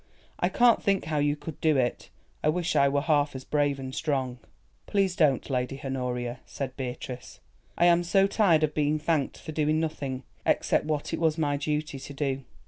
I can't think how you could do it. I wish I were half as brave and strong." "Please don't, Lady Honoria," said Beatrice. "I am so tired of being thanked for doing nothing, except what it was my duty to do.